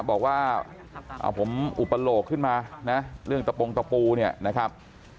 บอกว่าผมอุปโลกขึ้นมานะเรื่องตะปงตะปูเนี่ยนะครับ